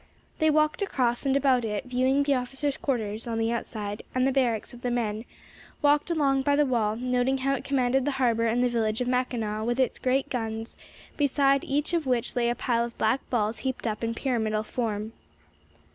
They walked across and about it, viewing the officers' quarters (on the outside) and the barracks of the men, walked along by the wall, noting how it commanded the harbor and the village of Mackinaw, with its great guns, beside each of which lay a pile of black balls heaped up in pyramidal form.